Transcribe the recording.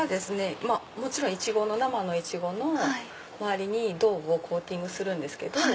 もちろん生のイチゴの周りに銅をコーティングするんですけど。